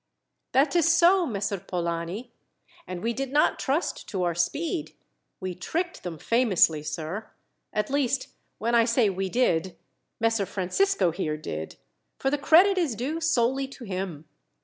"That is so, Messer Polani, and we did not trust to our speed. We tricked them famously, sir. At least, when I say we did, Messer Francisco here did, for the credit is due solely to him.